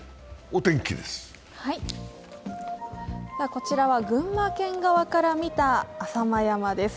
こちらは群馬県側から見た浅間山です。